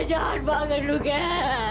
jahat banget lu kak